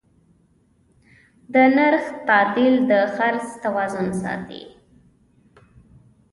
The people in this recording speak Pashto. د نرخ تعدیل د خرڅ توازن ساتي.